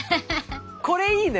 これいいね。